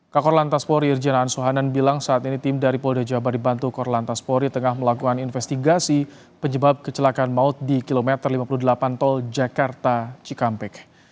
kak korlantas pori irjana ansuhanan bilang saat ini tim dari polri jabari bantu korlantas pori tengah melakukan investigasi penyebab kecelakaan maut di kilometer lima puluh delapan tol jakarta cikampek